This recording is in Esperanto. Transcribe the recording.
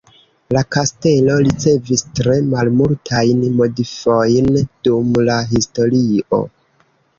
La kastelo ricevis tre malmultajn modifojn dum la historio.